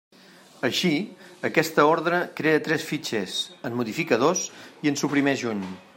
Així, aquesta Ordre crea tres fitxers, en modifica dos i en suprimeix un.